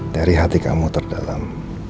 dari hati kamu terdalam